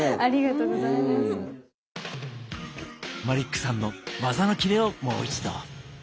マリックさんの技のキレをもう一度。